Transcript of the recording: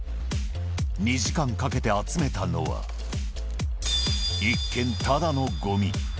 ２時間かけて集めたのは、一見、ただのごみ。